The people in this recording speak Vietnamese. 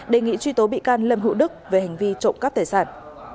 đề nghị truy tố bị can lâm hữu đức về hành vi trộm cắp tài sản